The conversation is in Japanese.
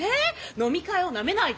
飲み会をなめないで。